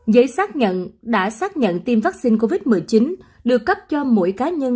giấy xác nhận đã xác nhận tiêm vaccine covid một mươi chín được cấp cho mỗi cá nhân